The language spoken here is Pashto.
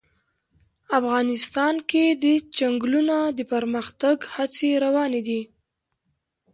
افغانستان کې د چنګلونه د پرمختګ هڅې روانې دي.